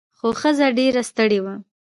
خو ښځه ډیره ستړې وه.